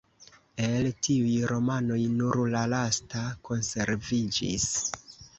El tiuj romanoj nur la lasta konserviĝis.